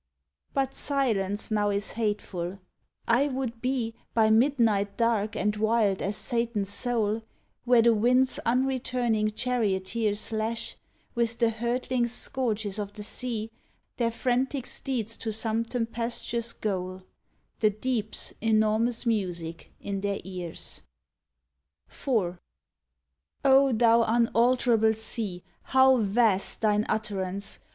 But silence now is hateful: I would be, By midnight dark and wild as Satan's soul, Where the winds' unreturning charioteers Lash, with the hurtling scourges of the sea, Their frantic steeds to some tempestuous goal The deep's enormous music in their ears. 42 SONNE'TS ON "THE SEA'S VOICE IV O thou unalterable sea! how vast Thine utterance!